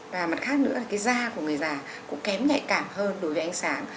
và mặt khác nữa là cái da của người già cũng kém nhạy cảm hơn đối với ánh sáng